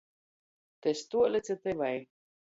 Tys tuoli ci tyvai?